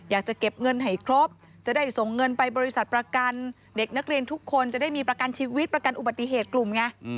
อยากจะเก็บเงินให้ครบจะได้ส่งเงินไปบริษัทประกันเด็กนักเรียนทุกคนจะได้มีประกันชีวิตประกันอุบัติเหตุกลุ่มไง